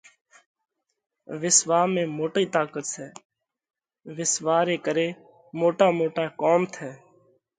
وِسواه ۾ موٽئِي طاقت سئہ۔ وِسواه ري ڪري موٽا موٽا ڪوم ٿئه